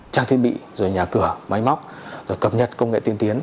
trang thiên bị nhà cửa máy móc cập nhật công nghệ tiên tiến